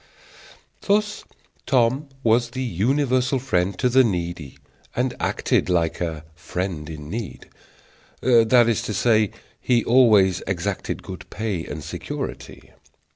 Thus Tom was the universal friend to the needy, and acted like "a friend in need"; that is to say, he always exacted good pay and security.